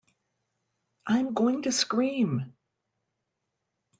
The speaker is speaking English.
I'm going to scream!